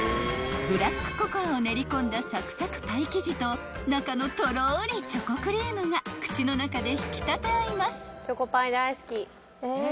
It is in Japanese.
［ブラックココアを練り込んだサクサクパイ生地と中のとろりチョコクリームが口の中で引き立て合います］